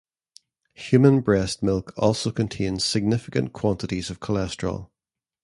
Human breast milk also contains significant quantities of cholesterol.